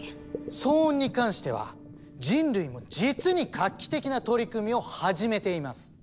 騒音に関しては人類も実に画期的な取り組みを始めています。